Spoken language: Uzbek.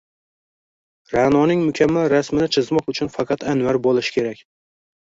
Ra’noning mukammal rasmini chizmoq uchun faqat Anvar bo’lish kerak.